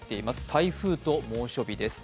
台風と猛暑日です。